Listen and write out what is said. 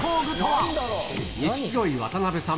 錦鯉・渡辺さん